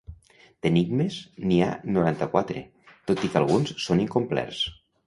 D'enigmes n'hi ha noranta-quatre, tot i que alguns són incomplets.